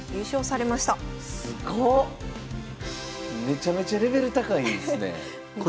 めちゃめちゃレベル高いんですね。